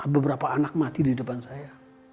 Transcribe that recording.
beberapa anak mati di depan saya